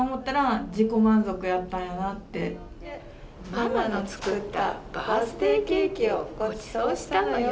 「『ママのつくったバースデイケーキをごちそうしたのよ』」。